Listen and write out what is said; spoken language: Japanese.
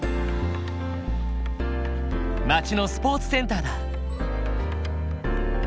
町のスポーツセンターだ。